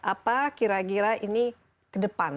apa kira kira ini ke depan